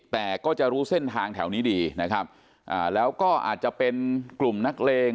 แต่ก็จะรู้เส้นทางแถวนี้ดีนะครับอ่าแล้วก็อาจจะเป็นกลุ่มนักเลง